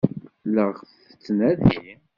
La ɣ-tettnadi?